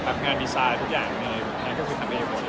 รับงานดีไซน์ทุกอย่างก็คือทำให้ก่อน